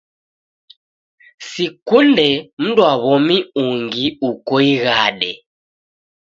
Sikunde mndwaw'omi ungi uko ighade